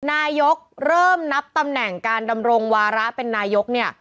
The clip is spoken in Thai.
นายกเริ่มนับตำแหน่งการดำรงวาระเป็นนายกเนี่ย